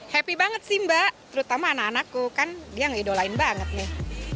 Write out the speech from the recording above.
happy banget sih mbak terutama anak anakku kan dia ngeidolain banget nih